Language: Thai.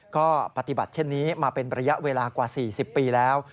ก็ปฏิบัติเช่นนี้มาเป็นระยะเวลากว่า๔๐ปีแล้ว